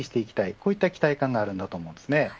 こういった期待感があると思います。